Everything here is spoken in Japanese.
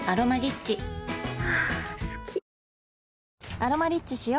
「アロマリッチ」しよ